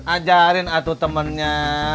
ajarin atuh temennya